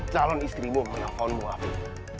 calon istrimu menangkau mu afif